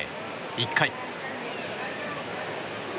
１回。